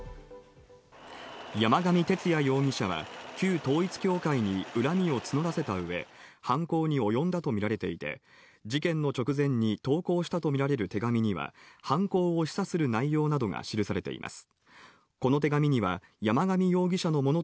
山上徹也容疑者は旧統一教会に恨みを募らせたうえ、犯行におよんだとみられていて、事件の直前に投函したとみられる手紙には犯行を示唆する内容などが記されています。